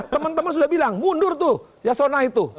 teman teman sudah bilang mundur tuh ya sona itu